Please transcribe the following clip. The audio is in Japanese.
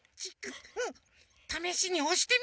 ためしにおしてみる？